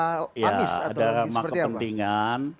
amis ada aroma kepentingan